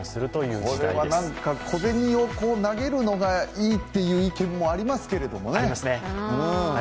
これは小銭を投げるのがいいっていう意見もありますけれどもね。